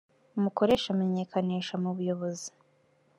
umukoresha amenyekanisha mu buyobozi